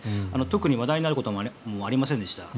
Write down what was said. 特に話題になることもありませんでした。